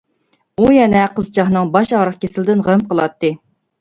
ئۇ يەنە قىزچاقنىڭ باش ئاغرىق كېسىلىدىن غەم قىلاتتى.